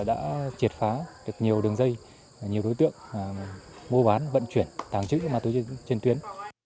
đã triệt phá được nhiều đường dây nhiều đối tượng mua bán vận chuyển tàng trữ ma túy trên tuyến